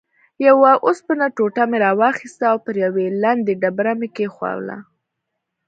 یوه اوسپنه ټوټه مې راواخیسته او پر یوې لندې ډبره مې کېښووله.